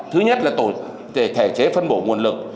thứ nhất là thể chế phân bổ nguồn lực